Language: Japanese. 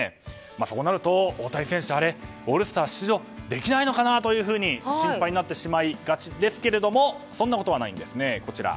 そうなると大谷選手オールスター出場できないのかなというふうに心配になってしまいがちですけれどもそんなことはないんです！